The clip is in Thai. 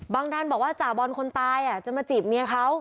ดันบอกว่าจ่าบอลคนตายจะมาจีบเมียเขา